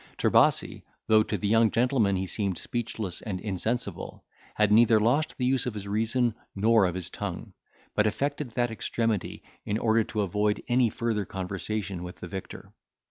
Trebasi, though to the young gentleman he seemed speechless and insensible, had neither lost the use of his reason nor of his tongue, but affected that extremity, in order to avoid any further conversation with the victor.